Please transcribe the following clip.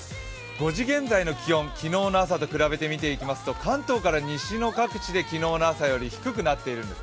５時現在の気温、昨日の朝と比べてみていきますと、関東から西の各地で昨日よりも寒くなっています。